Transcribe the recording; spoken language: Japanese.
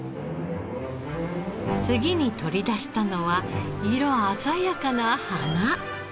次に取り出したのは色鮮やかな花。